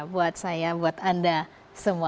buat saya buat anda semua